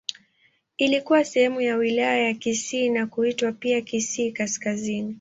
Ilikuwa sehemu ya Wilaya ya Kisii na kuitwa pia Kisii Kaskazini.